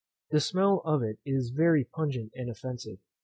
The smell of it is very pungent and offensive.